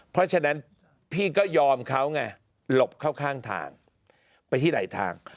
เพราะฉะนั้นพี่ก็ยอมเขาไงหลบเข้าข้างทางไปที่หลายทาง